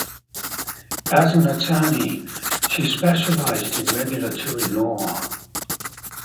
As an attorney, she specialized in regulatory law.